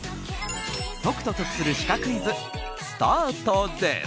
解くと得するシカクイズスタートです。